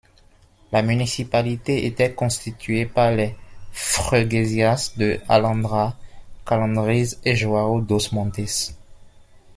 La municipalité était constituée par les freguesias de Alhandra, Calhandriz et João dos Montes.